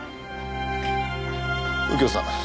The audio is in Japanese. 右京さん。